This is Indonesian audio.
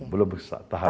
belum setahap itu